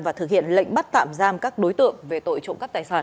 và thực hiện lệnh bắt tạm giam các đối tượng về tội trộm cắp tài sản